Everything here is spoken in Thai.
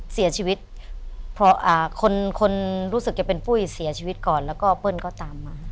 เสียชีวิตเพราะคนคนรู้สึกจะเป็นปุ้ยเสียชีวิตก่อนแล้วก็เปิ้ลก็ตามมา